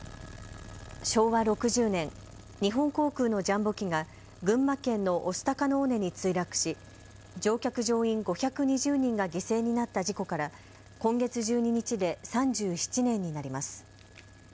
昭和６０年、日本航空のジャンボ機が群馬県の御巣鷹の尾根に墜落し乗客乗員５２０人が犠牲になった事故から今月１２日で３７年になります。